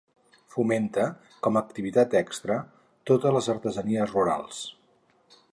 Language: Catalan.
Fomenta, com a activitat extra, totes les artesanies rurals.